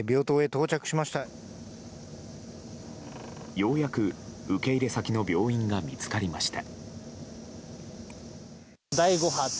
ようやく受け入れ先の病院が見つかりました。